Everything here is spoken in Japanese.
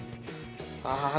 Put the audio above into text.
ああ！